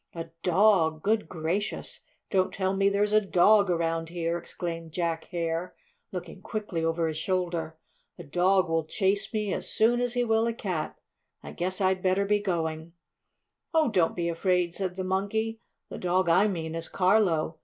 "A dog! Good gracious! Don't tell me there's a dog around here!" exclaimed Jack Hare, looking quickly over his shoulder. "A dog will chase me as soon as he will a cat. I guess I'd better be going." "Oh, don't be afraid," said the Monkey. "The dog I mean is Carlo.